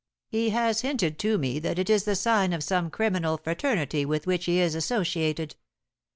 He has hinted to me that it is the sign of some criminal fraternity with which he is associated.